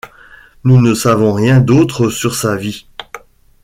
Nous ne savons rien d'autre sur sa vie.